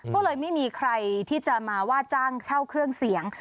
ก็เลยไม่มีใครที่จะมาว่าจ้างเช่าเครื่องเสียง